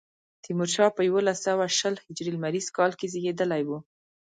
تیمورشاه په یوولس سوه شل هجري لمریز کال کې زېږېدلی و.